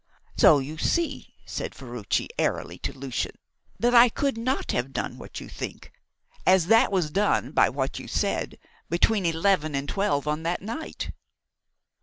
"So you see," said Ferruci airily to Lucian, "that I could not have done what you think, as that was done by what you said between eleven and twelve on that night."